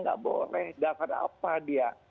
nggak boleh nggak karena apa dia